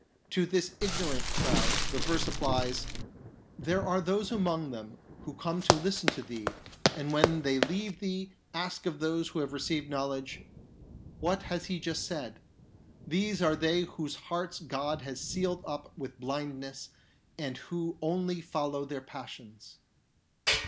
To this ignorant crowd the verse applies :" There are those among them who come to listen to thee, and when they leave thee, ask of those who have received knowledge, ' What has he just said ?' These are they whose hearts God has sealed up with blindness and who only follow their passions."